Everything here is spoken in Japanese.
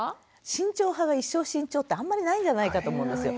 慎重派は一生慎重ってあんまりないんじゃないかと思うんですよ。